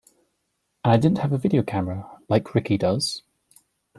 And I didn't have a video camera, like Ricky does...